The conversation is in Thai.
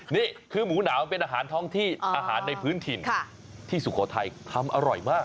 นี่คือหมูหนาวเป็นอาหารท้องที่อาหารในพื้นถิ่นที่สุโขทัยทำอร่อยมาก